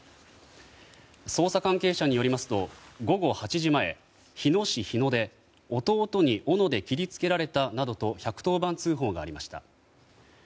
捜査関係者によりますと午後８時前日野市日野で弟におので切りつけられたなどと１１０番通報がありました。